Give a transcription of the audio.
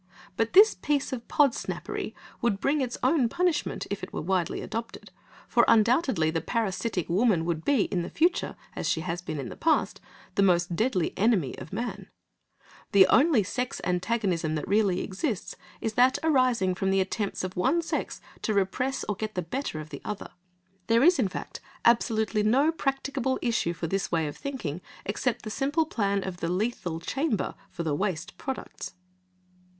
But this piece of Podsnappery would bring its own punishment, if it were widely adopted, for undoubtedly the parasitic woman would be, in the future, as she has been in the past, the most deadly enemy of man. The only sex antagonism that really exists is that arising from the attempts of one sex to repress or to get the better of the other. There is, in fact, absolutely no practicable issue for this way of thinking except the simple plan of the lethal chamber for the "waste products."